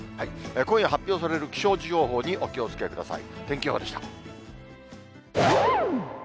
今夜、発表される気象情報にお気をつけください。